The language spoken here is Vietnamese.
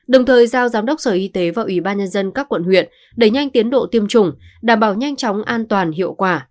đồng thời giao giám đốc sở y tế và ủy ban nhân dân các quận huyện đẩy nhanh tiến độ tiêm chủng đảm bảo nhanh chóng an toàn hiệu quả